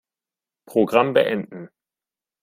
Programm beenden.